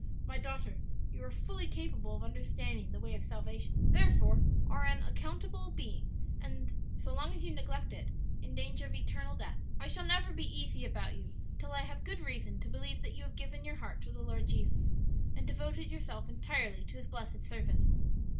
"My daughter, you are fully capable of understanding the way of salvation, therefore are an accountable being, and, so long as you neglect it, in danger of eternal death. I shall never be easy about you till I have good reason to believe that you have given your heart to the Lord Jesus, and devoted yourself entirely to His blessed service."